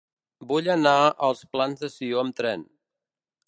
Vull anar als Plans de Sió amb tren.